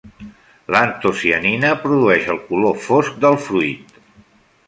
L'antocianina produeix el color fosc del fruit.